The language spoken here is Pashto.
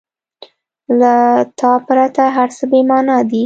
• له تا پرته هر څه بېمانا دي.